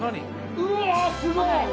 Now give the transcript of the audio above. すごい！